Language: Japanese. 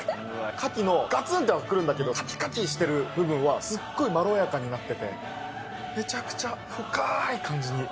カキのがつんとはくるんだけど、カキカキしてる部分はすっごいまろやかになってて、めちゃくちゃ深い感じに。